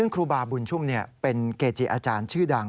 ครูบาบุญชุ่มเป็นเกจิอาจารย์ชื่อดัง